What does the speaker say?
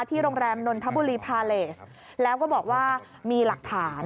โรงแรมนนทบุรีพาเลสแล้วก็บอกว่ามีหลักฐาน